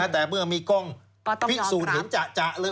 แต่เมื่อมีกล้องพิสูจน์เห็นจะเลย